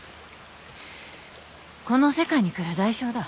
この世界に来る代償だ。